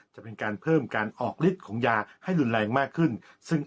จะเป็นการเพิ่มการออกฤทธิ์ของยาให้รุนแรงมากขึ้น